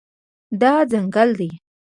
دا ځنګل دی